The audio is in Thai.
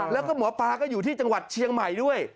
แล้วก็หมอปลาก็อยู่ที่จังหวัดเชียงใหม่ด้วย